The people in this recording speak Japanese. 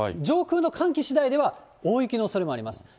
上空の寒気しだいでは大雪のおそれもあります。